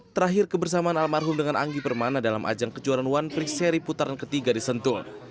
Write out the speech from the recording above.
terakhir kebersamaan almarhum dengan anggi permana dalam ajang kejuaraan one prix seri putaran ketiga di sentul